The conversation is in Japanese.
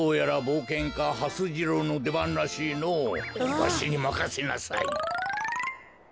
わしにまかせなさい。